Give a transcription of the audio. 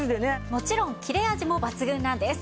もちろん切れ味も抜群なんです。